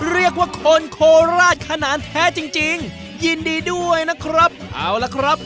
เรียกว่าคนโคราชขนาดแท้จริงจริงยินดีด้วยนะครับเอาล่ะครับ